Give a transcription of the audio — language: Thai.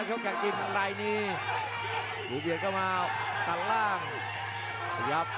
โหยกแรกถึงแม้ว่าจะได้มาสองนับครับ